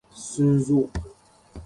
Sun zo.